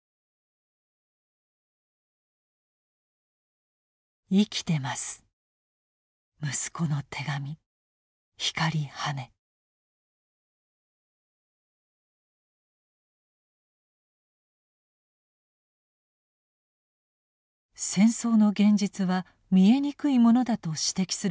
「戦争」の現実は見えにくいものだと指摘する俳人もいます。